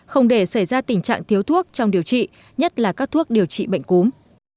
không để xảy ra tình trạng thiếu thuốc trong điều trị nhất là các thuốc điều trị bệnh cúm